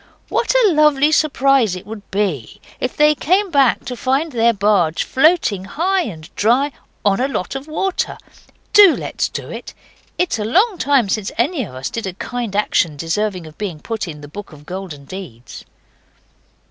What a lovely surprise it would be if they came back to find their barge floating high and dry on a lot of water! DO let's do it. It's a long time since any of us did a kind action deserving of being put in the Book of Golden Deeds.